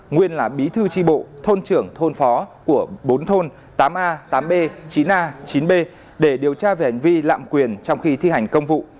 nguyên là bí thư tri bộ thôn trưởng thôn phó của bốn thôn tám a tám b chín a chín b để điều tra về hành vi lạm quyền trong khi thi hành công vụ